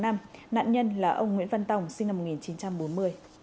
nạn nhân là ông nguyễn văn tòng sinh năm một nghìn chín trăm bốn mươi